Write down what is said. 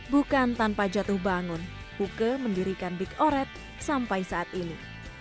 bukan tanpa jatuh bangun uke mendirikan big oret sampai saat ini